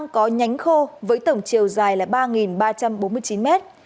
có nhánh khô với tổng chiều dài là ba ba trăm bốn mươi chín mét